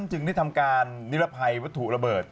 จึงได้ทำการนิรภัยวัตถุระเบิด